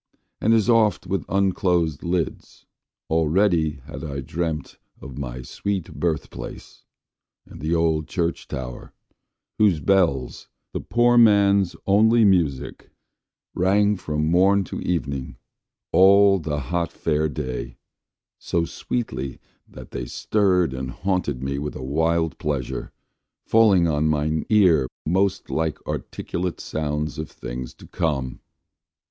and as oft With unclosed lids, already had I dreamt Of my sweet birth place, and the old church tower, Whose bells, the poor man's only music, rang From morn to evening, all the hot Fair day, So sweetly, that they stirred and haunted me With a wild pleasure, falling on mine ear Most like articulate sounds of things to come!